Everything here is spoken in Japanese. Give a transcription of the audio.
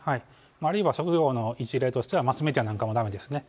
あるいは職業の一例としては、マスメディアなんかもだめですね。